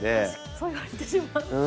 そう言われてしまうと。